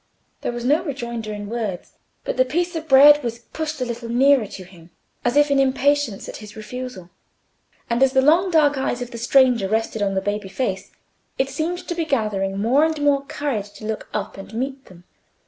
There was no rejoinder in words; but the piece of bread was pushed a little nearer to him, as if in impatience at his refusal; and as the long dark eyes of the stranger rested on the baby face, it seemed to be gathering more and more courage to look up and meet them.